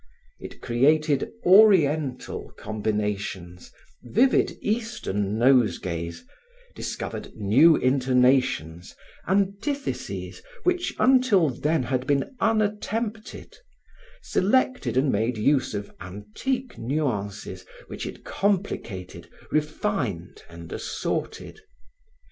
It created oriental combinations, vivid Eastern nosegays, discovered new intonations, antitheses which until then had been unattempted, selected and made use of antique nuances which it complicated, refined and assorted.